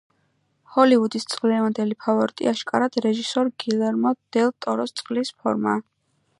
ჰოლივუდის წლევანდელი ფავორიტი აშკარად რეჟისორ გილერმო დელ ტოროს „წყლის ფორმაა“.